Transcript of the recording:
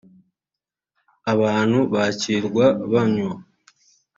abantu bakirwa banywa